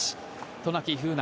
渡名喜風南